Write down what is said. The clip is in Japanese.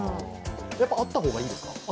やはりあった方がいいですか？